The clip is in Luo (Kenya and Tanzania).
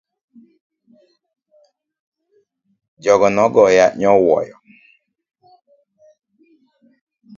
Jogo no goya nyowuoyo.